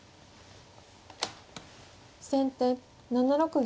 先手７六銀。